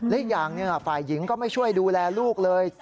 และอีกอย่างฝ่ายหญิงก็ไม่ช่วยดูแลลูกเลย